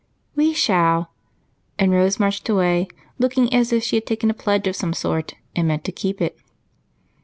"We shall!" And Rose marched away, looking as if she had taken a pledge of some sort, and meant to keep it.